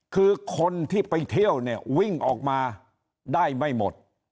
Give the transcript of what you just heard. คือคนที่ไปเที่ยวเนี่ยวิ่งออกมาได้ไม่หมด